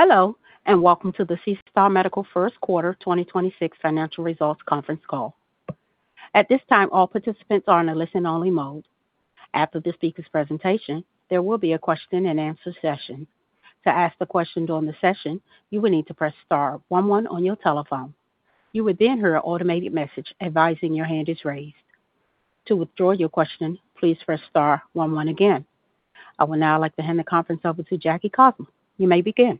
Hello, and welcome to the SeaStar Medical first quarter 2026 financial results conference call. At this time, all participants are in a listen-only mode. After the speaker's presentation, there will be a question-and-answer session. To ask the question during the session, you will need to press star one one on your telephone. You would then hear an automated message advising your hand is raised. To withdraw your question, please press star one one again. I would now like to hand the conference over to Jackie Cossmon. You may begin.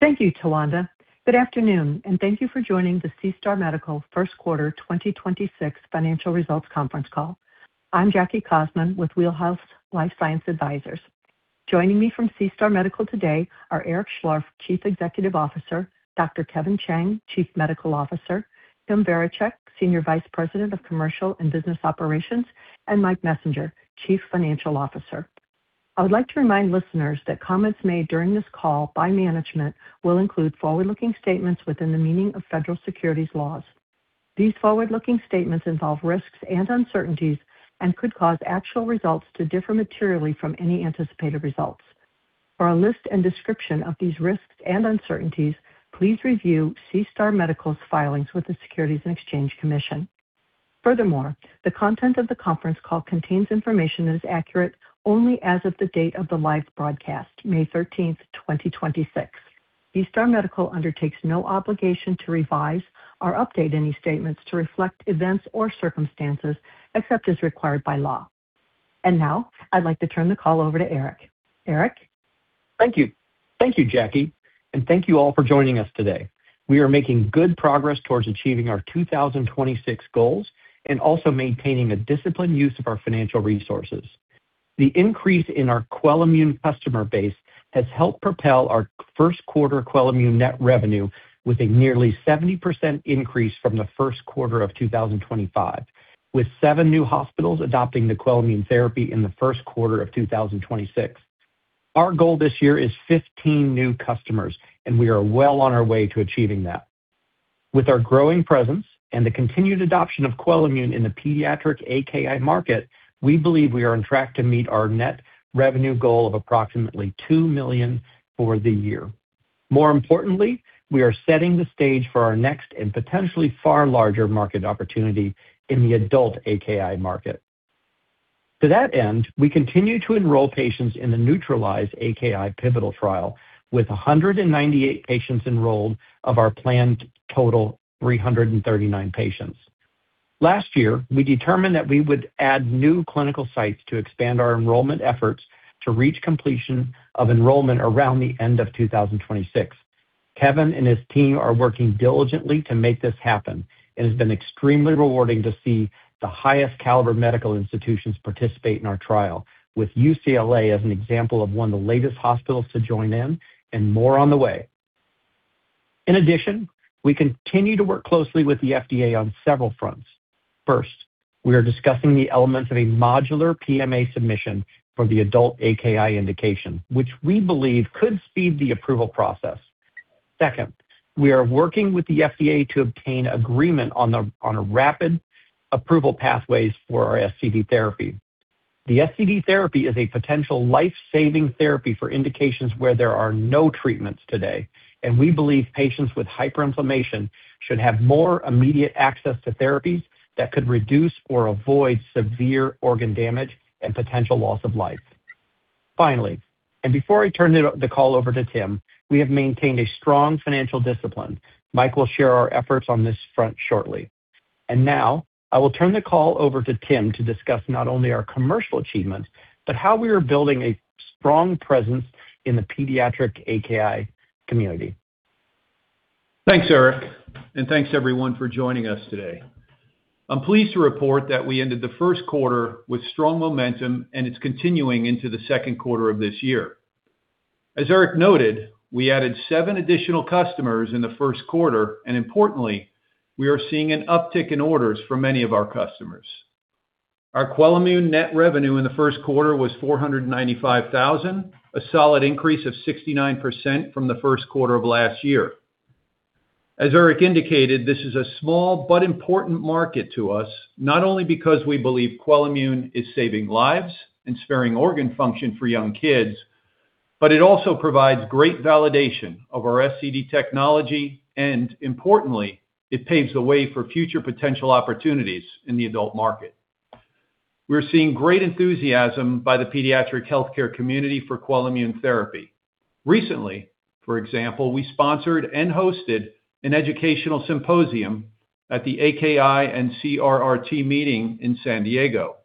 Thank you, Talonda. Good afternoon, and thank you for joining the SeaStar Medical first quarter 2026 financial results conference call. I'm Jackie Cossmon with Wheelhouse Life Science Advisors. Joining me from SeaStar Medical today are Eric Schlorff, Chief Executive Officer; Dr. Kevin Chung, Chief Medical Officer; Tim Varacek, Senior Vice President of Commercial & Business Operations; and Mike Messinger, Chief Financial Officer. I would like to remind listeners that comments made during this call by management will include forward-looking statements within the meaning of Federal Securities Laws. These forward-looking statements involve risks and uncertainties and could cause actual results to differ materially from any anticipated results. For a list and description of these risks and uncertainties, please review SeaStar Medical's filings with the Securities and Exchange Commission. Furthermore, the content of the conference call contains information that is accurate only as of the date of the live broadcast, May 13th, 2026. SeaStar Medical undertakes no obligation to revise or update any statements to reflect events or circumstances except as required by law. Now, I'd like to turn the call over to Eric. Eric? Thank you. Thank you, Jackie. Thank you all for joining us today. We are making good progress towards achieving our 2026 goals and also maintaining a disciplined use of our financial resources. The increase in our QUELIMMUNE customer base has helped propel our first quarter QUELIMMUNE net revenue with a nearly 70% increase from the first quarter of 2025, with seven new hospitals adopting the QUELIMMUNE therapy in the first quarter of 2026. Our goal this year is 15 new customers, and we are well on our way to achieving that. With our growing presence and the continued adoption of QUELIMMUNE in the pediatric AKI market, we believe we are on track to meet our net revenue goal of approximately $2 million for the year. More importantly, we are setting the stage for our next and potentially far larger market opportunity in the adult AKI market. To that end, we continue to enroll patients in the NEUTRALIZE-AKI pivotal trial with 198 patients enrolled of our planned total 339 patients. Last year, we determined that we would add new clinical sites to expand our enrollment efforts to reach completion of enrollment around the end of 2026. Kevin and his team are working diligently to make this happen. It has been extremely rewarding to see the highest caliber medical institutions participate in our trial, with UCLA as an example of one of the latest hospitals to join in and more on the way. In addition, we continue to work closely with the FDA on several fronts. First, we are discussing the elements of a modular PMA submission for the adult AKI indication, which we believe could speed the approval process. Second, we are working with the FDA to obtain agreement on a rapid approval pathways for our SCD therapy. The SCD therapy is a potential life-saving therapy for indications where there are no treatments today, and we believe patients with hyperinflammation should have more immediate access to therapies that could reduce or avoid severe organ damage and potential loss of life. Finally, and before I turn the call over to Tim, we have maintained a strong financial discipline. Mike will share our efforts on this front shortly. Now I will turn the call over to Tim to discuss not only our commercial achievements, but how we are building a strong presence in the pediatric AKI community. Thanks, Eric. Thanks everyone for joining us today. I'm pleased to report that we ended the first quarter with strong momentum, and it's continuing into the second quarter of this year. As Eric noted, we added seven additional customers in the first quarter, and importantly, we are seeing an uptick in orders from many of our customers. Our QUELIMMUNE net revenue in the first quarter was $495,000, a solid increase of 69% from the first quarter of last year. As Eric indicated, this is a small but important market to us, not only because we believe QUELIMMUNE is saving lives and sparing organ function for young kids, but it also provides great validation of our SCD technology, and importantly, it paves the way for future potential opportunities in the adult market. We're seeing great enthusiasm by the pediatric healthcare community for QUELIMMUNE therapy. Recently, for example, we sponsored and hosted an educational symposium at the AKI & CRRT meeting in San Diego.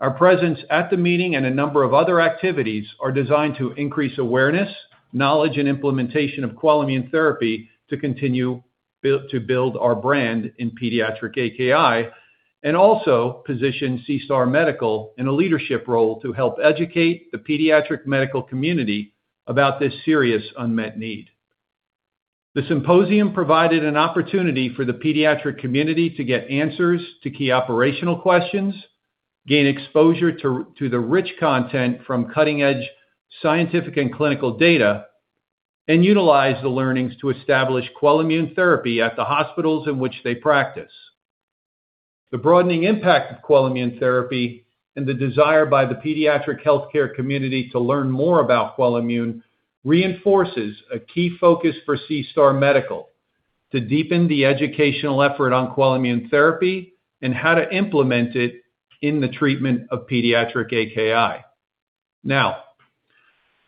Our presence at the meeting and a number of other activities are designed to increase awareness, knowledge, and implementation of QUELIMMUNE therapy to continue to build our brand in pediatric AKI and also position SeaStar Medical in a leadership role to help educate the pediatric medical community about this serious unmet need. The symposium provided an opportunity for the pediatric community to get answers to key operational questions, gain exposure to the rich content from cutting-edge scientific and clinical data, and utilize the learnings to establish QUELIMMUNE therapy at the hospitals in which they practice. The broadening impact of QUELIMMUNE therapy and the desire by the pediatric healthcare community to learn more about QUELIMMUNE reinforces a key focus for SeaStar Medical to deepen the educational effort on QUELIMMUNE therapy and how to implement it in the treatment of pediatric AKI. Now,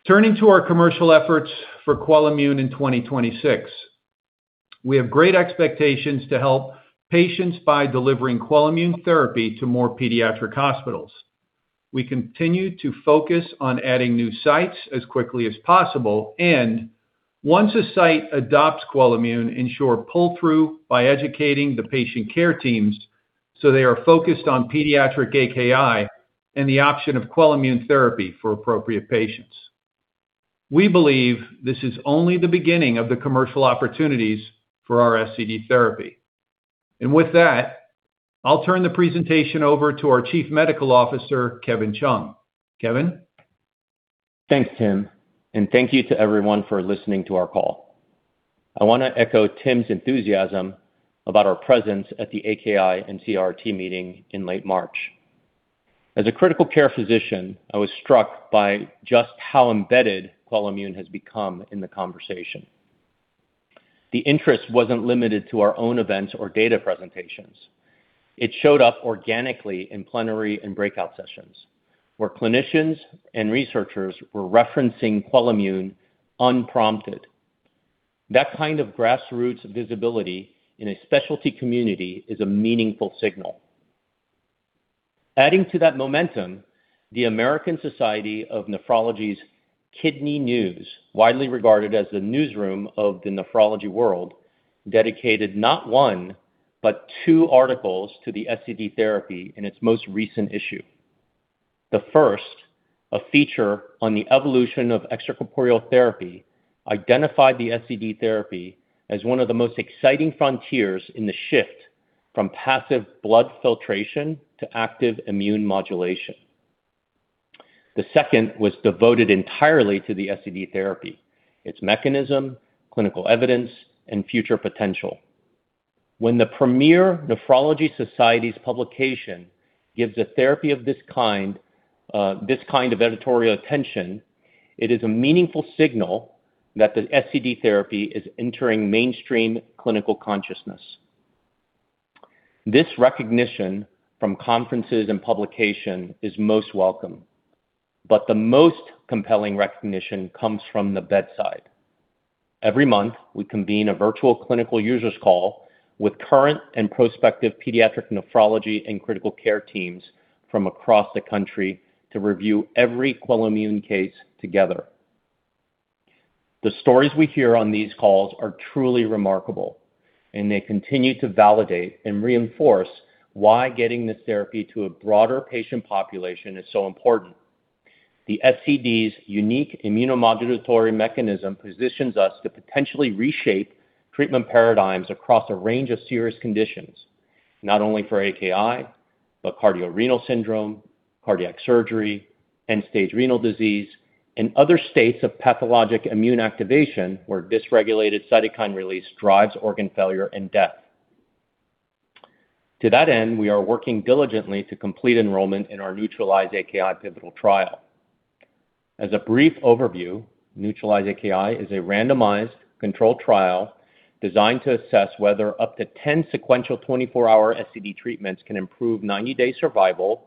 turning to our commercial efforts for QUELIMMUNE in 2026. We have great expectations to help patients by delivering QUELIMMUNE therapy to more pediatric hospitals. We continue to focus on adding new sites as quickly as possible and once a site adopts QUELIMMUNE, ensure pull-through by educating the patient care teams so they are focused on pediatric AKI and the option of QUELIMMUNE therapy for appropriate patients. We believe this is only the beginning of the commercial opportunities for our SCD therapy. With that, I'll turn the presentation over to our Chief Medical Officer, Kevin Chung. Kevin? Thanks, Tim. Thank you to everyone for listening to our call. I want to echo Tim's enthusiasm about our presence at the AKI & CRRT meeting in late March. As a critical care physician, I was struck by just how embedded QUELIMMUNE has become in the conversation. The interest wasn't limited to our own events or data presentations. It showed up organically in plenary and breakout sessions, where clinicians and researchers were referencing QUELIMMUNE unprompted. That kind of grassroots visibility in a specialty community is a meaningful signal. Adding to that momentum, the American Society of Nephrology's Kidney News, widely regarded as the newsroom of the nephrology world, dedicated not one, but two articles to the SCD therapy in its most recent issue. The first, a feature on the evolution of extracorporeal therapy, identified the SCD therapy as one of the most exciting frontiers in the shift from passive blood filtration to active immune modulation. The second was devoted entirely to the SCD therapy, its mechanism, clinical evidence, and future potential. When the premier nephrology society's publication gives a therapy of this kind, this kind of editorial attention, it is a meaningful signal that the SCD therapy is entering mainstream clinical consciousness. This recognition from conferences and publication is most welcome, the most compelling recognition comes from the bedside. Every month, we convene a virtual clinical users call with current and prospective pediatric nephrology and critical care teams from across the country to review every QUELIMMUNE case together. The stories we hear on these calls are truly remarkable, and they continue to validate and reinforce why getting this therapy to a broader patient population is so important. The SCD's unique immunomodulatory mechanism positions us to potentially reshape treatment paradigms across a range of serious conditions, not only for AKI, but cardiorenal syndrome, cardiac surgery, end-stage renal disease, and other states of pathologic immune activation where dysregulated cytokine release drives organ failure and death. To that end, we are working diligently to complete enrollment in our NEUTRALIZE-AKI pivotal trial. As a brief overview, NEUTRALIZE-AKI is a randomized controlled trial designed to assess whether up to 10 sequential 24-hour SCD treatments can improve 90-day survival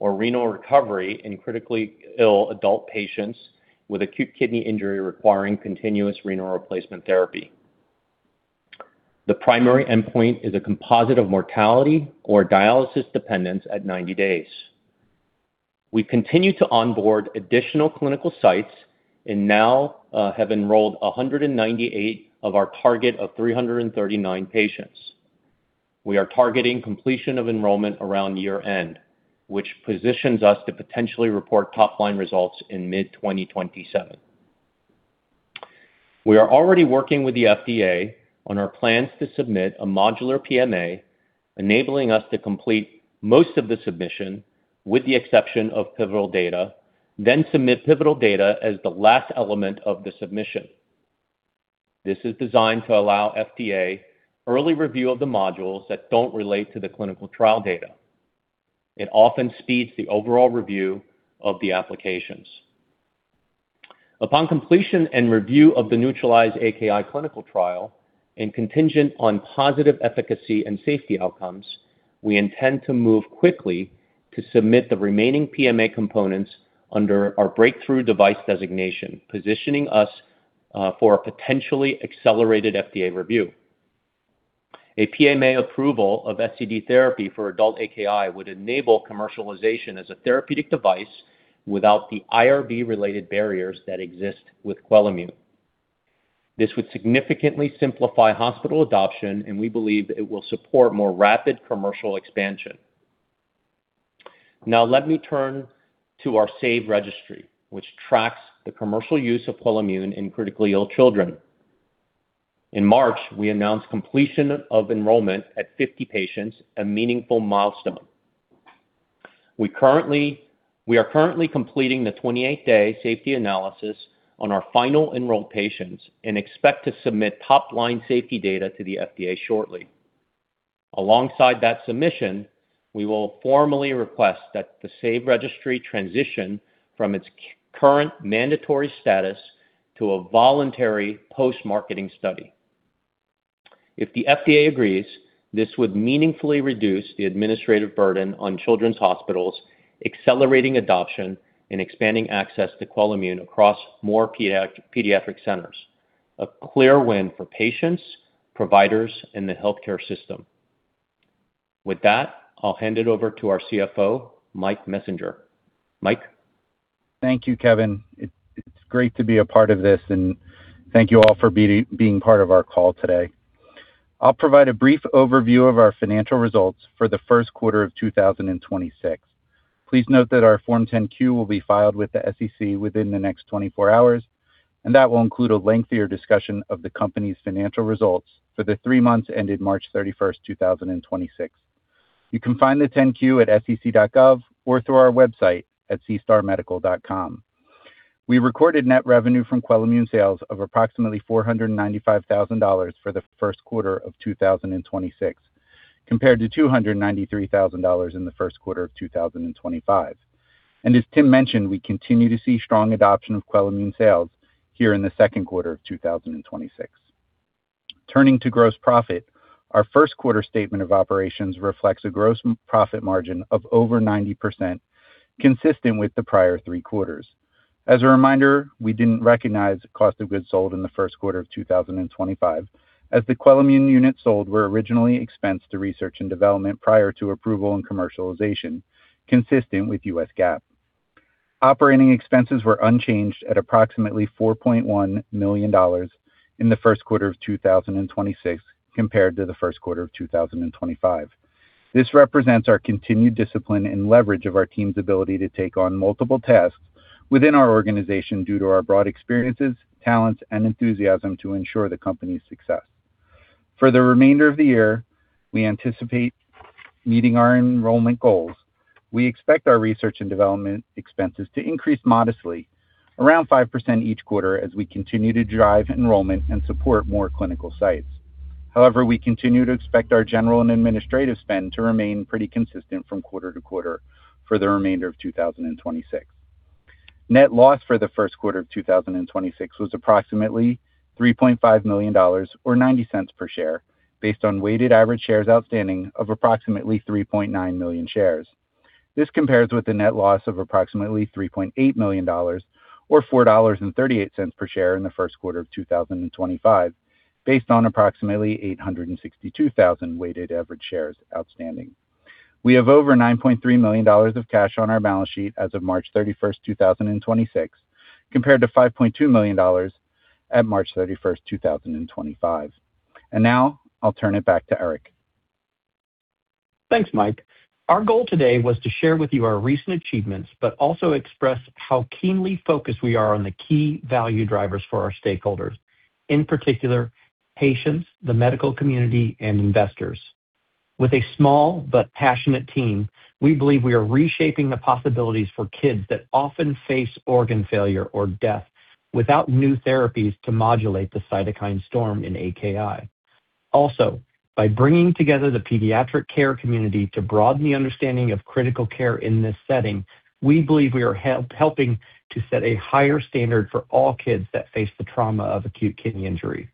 or renal recovery in critically ill adult patients with acute kidney injury requiring continuous renal replacement therapy. The primary endpoint is a composite of mortality or dialysis dependence at 90 days. We continue to onboard additional clinical sites and now have enrolled 198 of our target of 339 patients. We are targeting completion of enrollment around year-end, which positions us to potentially report top-line results in mid-2027. We are already working with the FDA on our plans to submit a modular PMA, enabling us to complete most of the submission with the exception of pivotal data, then submit pivotal data as the last element of the submission. This is designed to allow FDA early review of the modules that don't relate to the clinical trial data. It often speeds the overall review of the applications. Upon completion and review of the NEUTRALIZE-AKI clinical trial and contingent on positive efficacy and safety outcomes, we intend to move quickly to submit the remaining PMA components under our Breakthrough Device Designation, positioning us for a potentially accelerated FDA review. A PMA approval of SCD therapy for adult AKI would enable commercialization as a therapeutic device without the IRB-related barriers that exist with QUELIMMUNE. This would significantly simplify hospital adoption, and we believe it will support more rapid commercial expansion. Now let me turn to our SAVE Registry, which tracks the commercial use of QUELIMMUNE in critically ill children. In March, we announced completion of enrollment at 50 patients, a meaningful milestone. We are currently completing the 28-day safety analysis on our final enrolled patients and expect to submit top-line safety data to the FDA shortly. Alongside that submission, we will formally request that the SAVE Registry transition from its current mandatory status to a voluntary post-marketing study. If the FDA agrees, this would meaningfully reduce the administrative burden on children's hospitals, accelerating adoption and expanding access to QUELIMMUNE across more pediatric centers. A clear win for patients, providers, and the healthcare system. With that, I'll hand it over to our CFO, Mike Messinger. Mike? Thank you, Kevin. It's great to be a part of this, Thank you all for being part of our call today. I'll provide a brief overview of our financial results for the first quarter of 2026. Please note that our Form 10-Q will be filed with the SEC within the next 24 hours, That will include a lengthier discussion of the company's financial results for the three months ended March 31st, 2026. You can find the 10-Q at sec.gov or through our website at seastarmedical.com. We recorded net revenue from QUELIMMUNE sales of approximately $495,000 for the first quarter of 2026, compared to $293,000 in the first quarter of 2025. As Tim mentioned, we continue to see strong adoption of QUELIMMUNE sales here in the second quarter of 2026. Turning to gross profit, our first quarter statement of operations reflects a gross profit margin of over 90%, consistent with the prior three quarters. As a reminder, we didn't recognize cost of goods sold in the first quarter of 2025, as the QUELIMMUNE units sold were originally expensed to Research and Development prior to approval and commercialization, consistent with U.S. GAAP. Operating expenses were unchanged at approximately $4.1 million in the first quarter of 2026 compared to the first quarter of 2025. This represents our continued discipline and leverage of our team's ability to take on multiple tasks within our organization due to our broad experiences, talents, and enthusiasm to ensure the company's success. For the remainder of the year, we anticipate meeting our enrollment goals. We expect our Research and Development expenses to increase modestly, around 5% each quarter, as we continue to drive enrollment and support more clinical sites. However, we continue to expect our general and administrative spend to remain pretty consistent from quarter-to-quarter for the remainder of 2026. Net loss for the first quarter of 2026 was approximately $3.5 million or $0.90 per share based on weighted average shares outstanding of approximately 3.9 million shares. This compares with the net loss of approximately $3.8 million or $4.38 per share in the first quarter of 2025 based on approximately 862,000 weighted average shares outstanding. We have over $9.3 million of cash on our balance sheet as of March 31st, 2026, compared to $5.2 million at March 31st, 2025. Now I'll turn it back to Eric. Thanks, Mike. Our goal today was to share with you our recent achievements, but also express how keenly focused we are on the key value drivers for our stakeholders, in particular, patients, the medical community, and investors. With a small but passionate team, we believe we are reshaping the possibilities for kids that often face organ failure or death without new therapies to modulate the cytokine storm in AKI. By bringing together the pediatric care community to broaden the understanding of critical care in this setting, we believe we are helping to set a higher standard for all kids that face the trauma of acute kidney injury.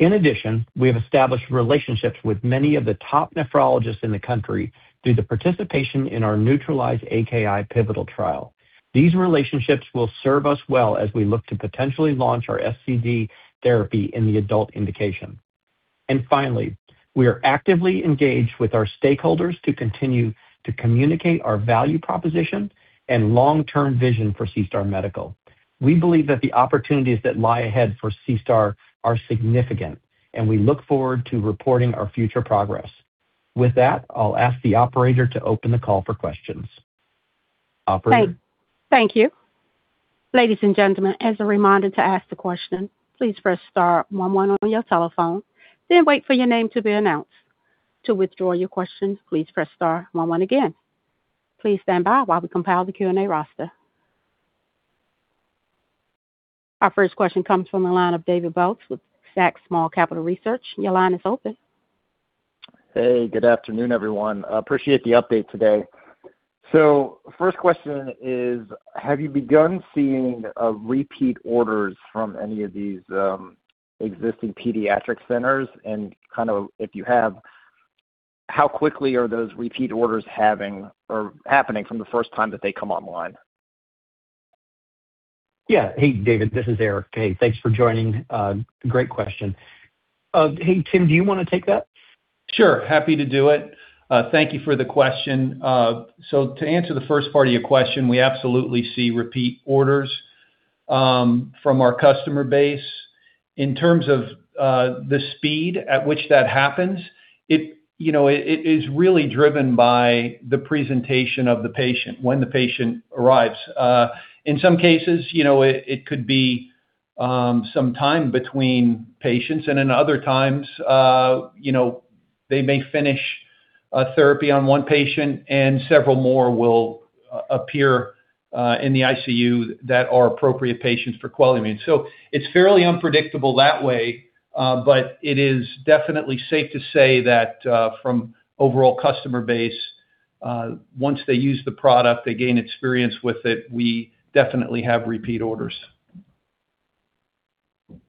In addition, we have established relationships with many of the top nephrologists in the country through the participation in our NEUTRALIZE-AKI pivotal trial. These relationships will serve us well as we look to potentially launch our SCD therapy in the adult indication. We are actively engaged with our stakeholders to continue to communicate our value proposition and long-term vision for SeaStar Medical. We believe that the opportunities that lie ahead for SeaStar are significant, and we look forward to reporting our future progress. With that, I'll ask the operator to open the call for questions. Operator? Thank you. Ladies and gentlemen, as a reminder to ask a question, please press star one one on your telephone, then wait for your name to be announced. To withdraw your question, please press star one one again. Please stand by while we compile the Q&A roster. Our first question comes from the line of David Bautz with Zacks Small-Cap Research. Your line is open. Hey, good afternoon, everyone. Appreciate the update today. First question is, have you begun seeing repeat orders from any of these existing pediatric centers? Kind of if you have, how quickly are those repeat orders happening from the first time that they come online? Yeah. Hey, David, this is Eric. Hey, thanks for joining. Great question. Hey, Tim, do you wanna take that? Sure. Happy to do it. Thank you for the question. To answer the first part of your question, we absolutely see repeat orders from our customer base. In terms of the speed at which that happens, it, you know, it is really driven by the presentation of the patient when the patient arrives. In some cases, you know, it could be Some time between patients and in other times, you know, they may finish a therapy on one patient and several more will appear in the ICU that are appropriate patients for QUELIMMUNE. It's fairly unpredictable that way, but it is definitely safe to say that from overall customer base, once they use the product, they gain experience with it, we definitely have repeat orders.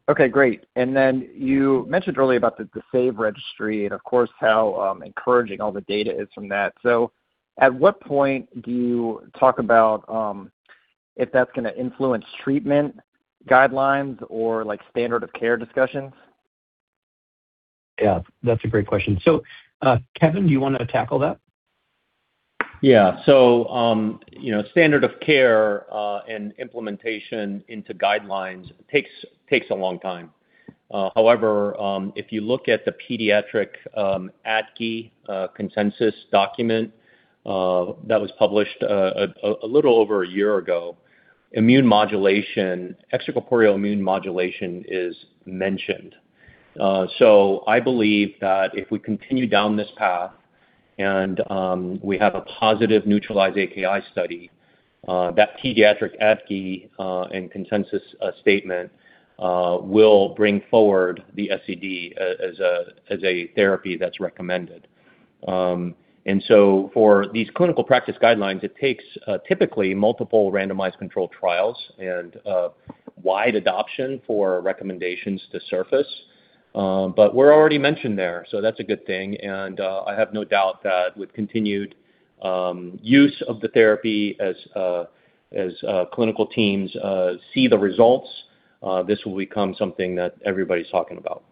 Okay, great. You mentioned earlier about the SAVE Registry and of course, how encouraging all the data is from that. At what point do you talk about if that's gonna influence treatment guidelines or like standard of care discussions? Yeah, that's a great question. Kevin, do you wanna tackle that? Yeah. You know, standard of care and implementation into guidelines takes a long time. However, if you look at the pediatric ADQI consensus document that was published a little over a year ago, extracorporeal immune modulation is mentioned. I believe that if we continue down this path and we have a positive NEUTRALIZE-AKI study, that pediatric ADQI and consensus statement will bring forward the SCD as a therapy that's recommended. For these clinical practice guidelines, it takes typically multiple randomized controlled trials and wide adoption for recommendations to surface. We're already mentioned there, that's a good thing. I have no doubt that with continued use of the therapy as clinical teams see the results, this will become something that everybody's talking about.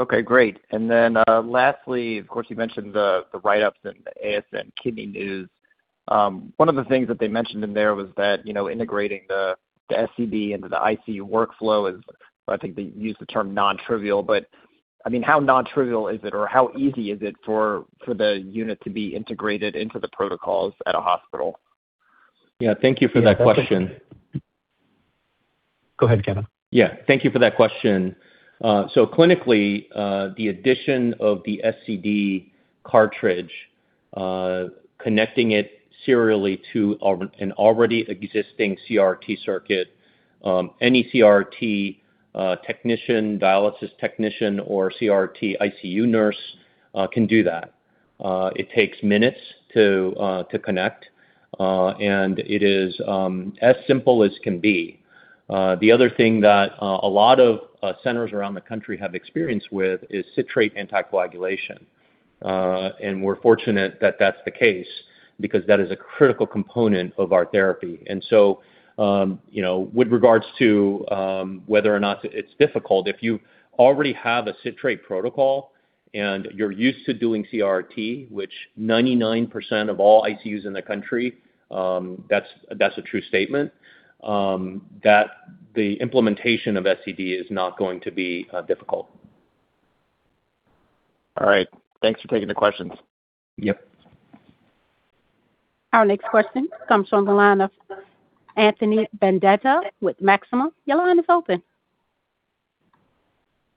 Okay, great. Then, lastly, of course, you mentioned the write-ups in the ASN Kidney News. One of the things that they mentioned in there was that, you know, integrating the SCD into the ICU workflow is, I think they used the term non-trivial, but I mean, how non-trivial is it or how easy is it for the unit to be integrated into the protocols at a hospital? Yeah. Thank you for that question. Go ahead, Kevin. Yeah. Thank you for that question. Clinically, the addition of the SCD cartridge, connecting it serially to an already existing CRRT circuit, any CRRT technician, dialysis technician, or CRRT ICU nurse can do that. It takes minutes to connect, and it is as simple as can be. The other thing that a lot of centers around the country have experience with is citrate anticoagulation. We're fortunate that that's the case because that is a critical component of our therapy. You know, with regards to whether or not it's difficult, if you already have a citrate protocol and you're used to doing CRRT, which 99% of all ICUs in the country, that's a true statement, that the implementation of SCD is not going to be difficult. All right. Thanks for taking the questions. Yep. Our next question comes from the line of Anthony Vendetti with Maxim Group. Your line is open.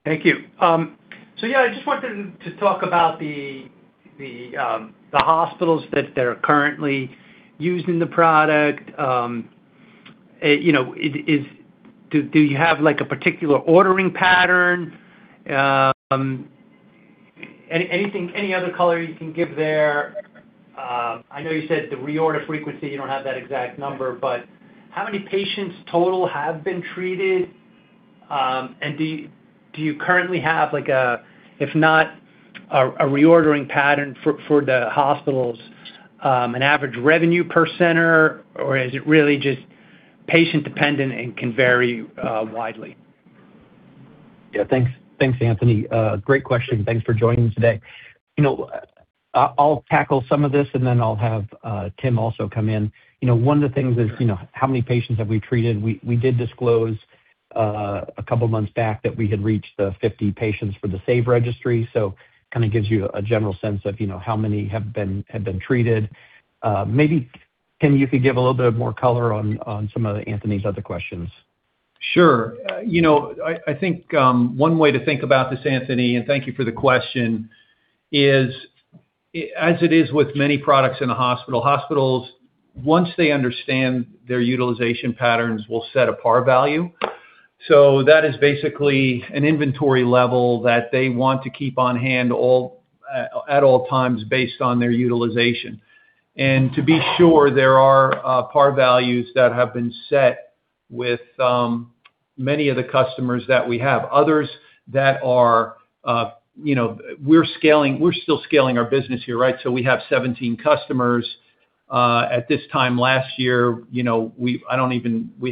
Thank you. Yeah, I just wanted to talk about the hospitals that are currently using the product. You know, do you have like a particular ordering pattern? Anything, any other color you can give there? I know you said the reorder frequency, you don't have that exact number, but how many patients total have been treated? Do you currently have like a, if not, a reordering pattern for the hospitals, an average revenue per center? Or is it really just patient-dependent and can vary widely? Yeah. Thanks. Thanks, Anthony. Great question. Thanks for joining us today. You know, I'll tackle some of this, and then I'll have Tim also come in. You know, one of the things is, you know, how many patients have we treated. We did disclose a couple months back that we had reached the 50 patients for the SAVE Registry. Kinda gives you a general sense of, you know, how many have been treated. Maybe, Tim, you could give a little bit more color on some of Anthony's other questions. Sure. you know, I think, one way to think about this, Anthony, and thank you for the question, is as it is with many products in the hospital, hospitals, once they understand their utilization patterns, will set a par value. That is basically an inventory level that they want to keep on hand all at all times based on their utilization. To be sure, there are par values that have been set with many of the customers that we have. Others that are, you know, we're scaling, we're still scaling our business here, right? We have 17 customers. At this time last year, you know, We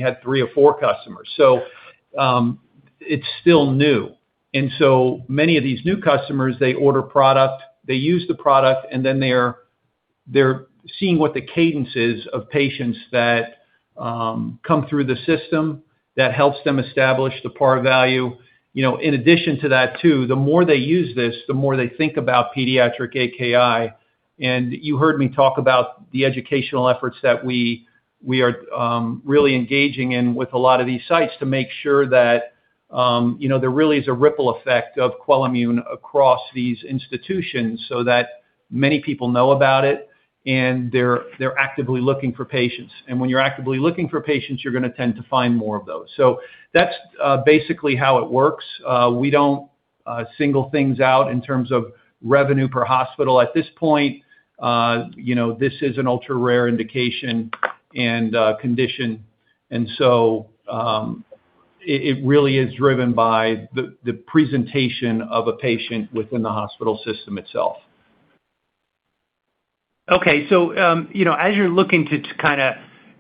had three or four customers. It's still new. Many of these new customers, they order product, they use the product, and then they're seeing what the cadence is of patients that come through the system that helps them establish the par value. You know, in addition to that too, the more they use this, the more they think about pediatric AKI. You heard me talk about the educational efforts that we are really engaging in with a lot of these sites to make sure that, you know, there really is a ripple effect of QUELIMMUNE across these institutions so that many people know about it and they're actively looking for patients. When you're actively looking for patients, you're gonna tend to find more of those. That's basically how it works. We don't single things out in terms of revenue per hospital. At this point, you know, this is an ultra-rare indication and condition. It really is driven by the presentation of a patient within the hospital system itself. Okay. You know, as you're looking to kind of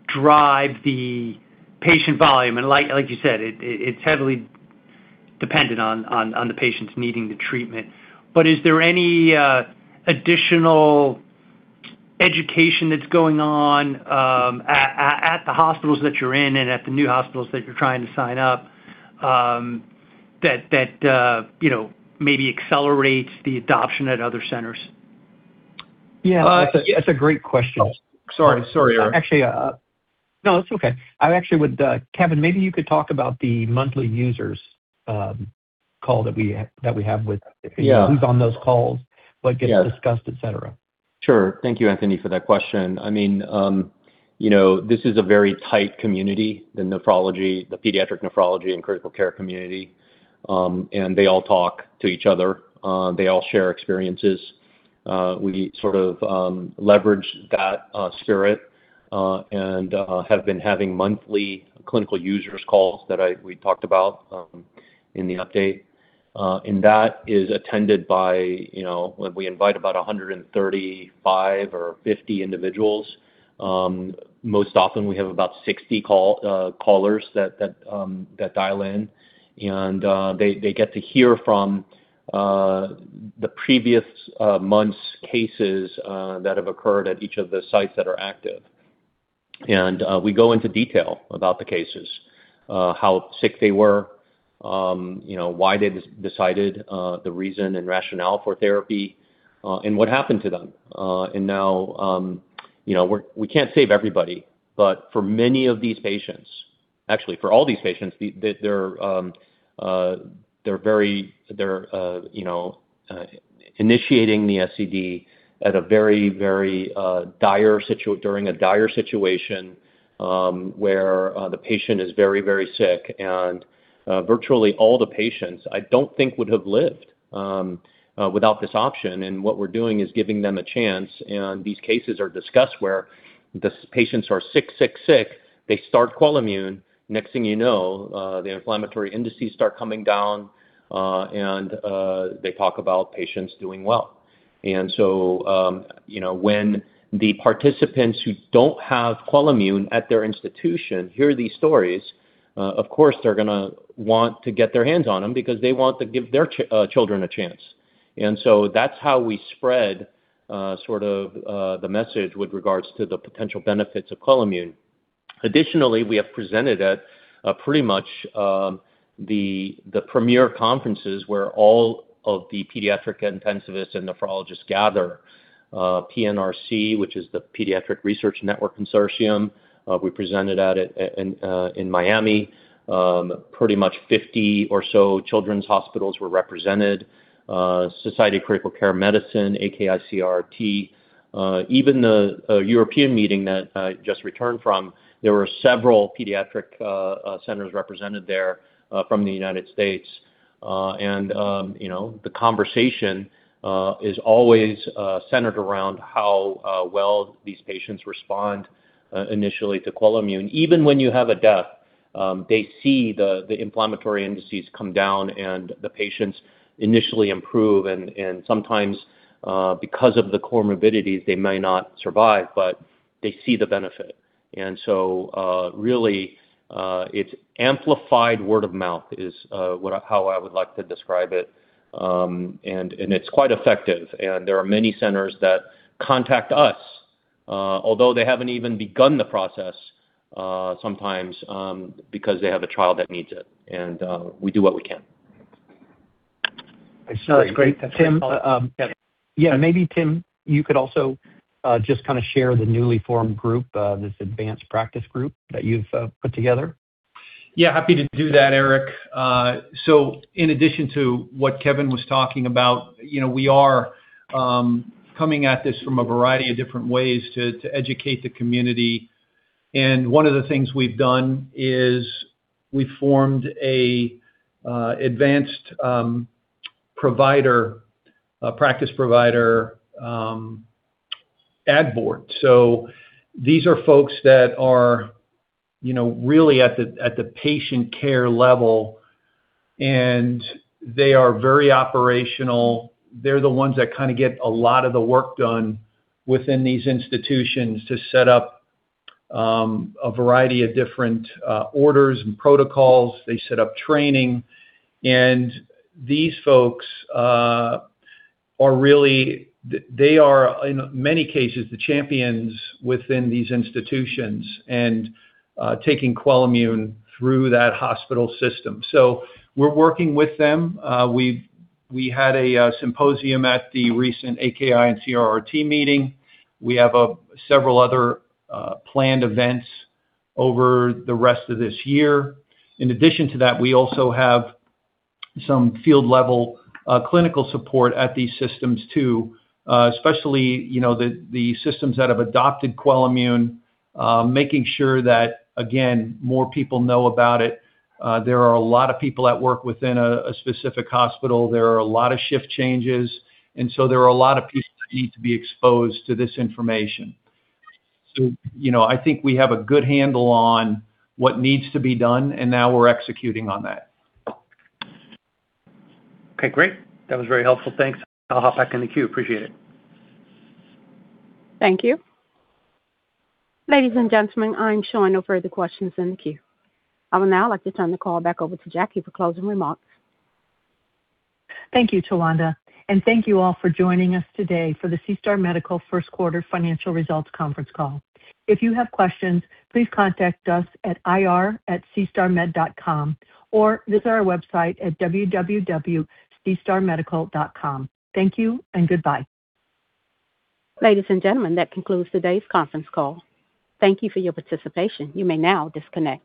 drive the patient volume, and like you said, it's heavily dependent on the patients needing the treatment. Is there any additional education that's going on at the hospitals that you're in and at the new hospitals that you're trying to sign up, that, you know, maybe accelerates the adoption at other centers? Yeah. That's a great question. Sorry. Sorry, Eric. Actually, No, that's okay. I actually would, Kevin, maybe you could talk about the monthly users, call that we have. Yeah. Who's on those calls, what gets discussed, et cetera. Sure. Thank you, Anthony, for that question. I mean, you know, this is a very tight community, the nephrology, the pediatric nephrology and critical care community. They all talk to each other. They all share experiences. We sort of leverage that spirit and have been having monthly clinical users calls that we talked about in the update. That is attended by, you know, when we invite about 135 or 50 individuals, most often we have about 60 callers that dial in. They get to hear from the previous months' cases that have occurred at each of the sites that are active. We go into detail about the cases, how sick they were, you know, why they decided, the reason and rationale for therapy, and what happened to them. Now, you know, we can't save everybody, but for many of these patients, actually, for all these patients, they're very, you know, initiating the SCD at a very, very dire situation, where the patient is very, very sick. Virtually all the patients I don't think would have lived without this option. What we're doing is giving them a chance. These cases are discussed where the patients are sick, sick. They start QUELIMMUNE. Next thing you know, the inflammatory indices start coming down, and they talk about patients doing well. You know, when the participants who don't have QUELIMMUNE at their institution hear these stories, of course, they're gonna want to get their hands on them because they want to give their children a chance. That's how we spread the message with regards to the potential benefits of QUELIMMUNE. Additionally, we have presented at the premier conferences where all of the pediatric intensivists and nephrologists gather. PNRC, which is the Pediatric Nephrology Research Consortium, we presented at it in Miami. Pretty much 50 or so children's hospitals were represented. Society of Critical Care Medicine, AKI & CRRT. Even the European meeting that I just returned from, there were several pediatric centers represented there from the United States. You know, the conversation is always centered around how well these patients respond initially to QUELIMMUNE. Even when you have a death, they see the inflammatory indices come down and the patients initially improve. Sometimes, because of the comorbidities, they may not survive, but they see the benefit. Really, it's amplified word of mouth is how I would like to describe it. It's quite effective. There are many centers that contact us, although they haven't even begun the process sometimes, because they have a child that needs it. We do what we can. That's great. Tim, Yeah. Yeah. Maybe, Tim, you could also, just kinda share the newly formed group, this advanced practice group that you've put together. Happy to do that, Eric. In addition to what Kevin was talking about, you know, we are coming at this from a variety of different ways to educate the community. One of the things we've done is we formed a advanced provider ad board. These are folks that are, you know, really at the patient care level. They are very operational. They're the ones that kinda get a lot of the work done within these institutions to set up a variety of different orders and protocols. They set up training. These folks are, in many cases, the champions within these institutions taking QUELIMMUNE through that hospital system. We're working with them. We had a symposium at the recent AKI and CRRT meeting. We have several other planned events over the rest of this year. In addition to that, we also have some field-level clinical support at these systems too. Especially, you know, the systems that have adopted QUELIMMUNE, making sure that, again, more people know about it. There are a lot of people that work within a specific hospital. There are a lot of shift changes. There are a lot of people that need to be exposed to this information. You know, I think we have a good handle on what needs to be done, and now we're executing on that. Okay, great. That was very helpful. Thanks. I'll hop back in the queue. Appreciate it. Thank you. Ladies and gentlemen, I'm showing no further questions in the queue. I would now like to turn the call back over to Jackie for closing remarks. Thank you, Talonda. Thank you all for joining us today for the SeaStar Medical first quarter financial results conference call. If you have questions, please contact us at ir@SeaStarMed.com or visit our website at www.seastarmedical.com. Thank you and goodbye. Ladies and gentlemen, that concludes today's conference call. Thank you for your participation. You may now disconnect.